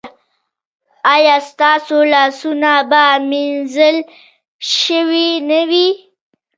ایا ستاسو لاسونه به مینځل شوي نه وي؟